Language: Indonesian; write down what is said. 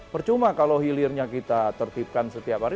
percuma kalau hilirnya kita tertipkan setiap hari